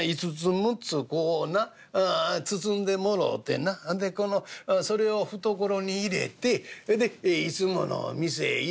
こうな包んでもろうてなそれを懐に入れてそれでいつもの店へ行